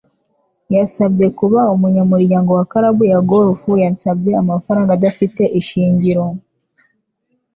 Yasabye kuba umunyamuryango wa club ya golf. Yansabye amafaranga adafite ishingiro.